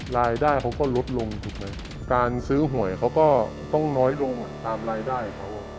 รายได้เขาก็ลดลงถูกไหมการซื้อหวยเขาก็ต้องน้อยลงตามรายได้เขา